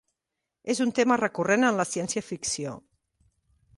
És un tema recurrent en la ciència-ficció.